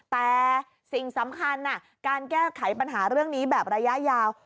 แต่สิ่งสำคัญการแก้ไขปัญหาเรื่องนี้แบบระยะยาว